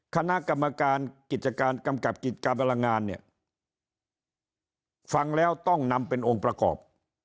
คณะกรรมการกิจการกำกับกิจการพลังงานเนี่ยฟังแล้วต้องนำเป็นองค์ประกอบ